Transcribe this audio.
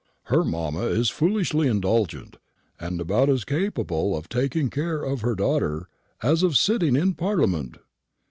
"Her mamma is foolishly indulgent, and about as capable of taking care of her daughter as of sitting in Parliament.